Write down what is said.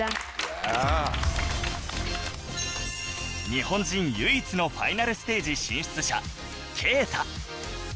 日本人唯一のファイナルステージ進出者佳汰